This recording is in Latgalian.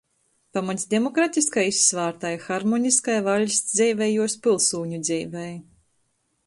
Pamats demokratiskai, izsvārtai, harmoniskai vaļsts dzeivei i juos piļsūņu dzeivei.